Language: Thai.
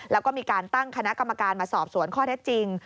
แล้วก็มีการตั้งคณะกรรมการมาสอบสวนข้อเท็จจริง